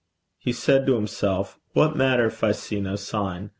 He said to himself, 'What matter if I see no sign?